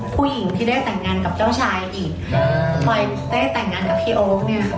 พูดกับพี่โอ๊คมาไม่กี่วันพี่โอ๊คเพิ่งว่า